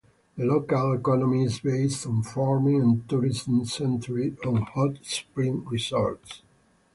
The local economy is based on farming and tourism centered on hot spring resorts.